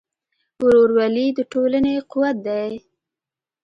ورورولي د ټولنې قوت دی.